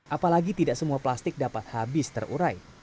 apalagi tidak semua plastik dapat habis terurai